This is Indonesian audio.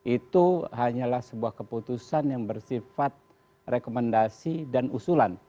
itu hanyalah sebuah keputusan yang bersifat rekomendasi dan usulan